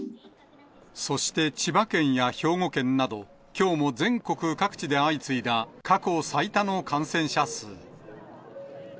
そして千葉県や兵庫県など、きょうも全国各地で相次いだ過去最多の感染者数。